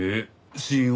死因は？